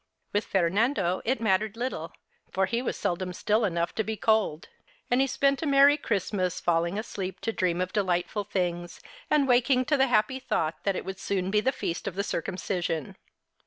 With Fernando it mattered little, for he was seldom still enough to be cold, and he spent a merry Christmas, falling asleep to dream of delightful things, and waking to the happy thought that it would soon be the feast of the Circumcision.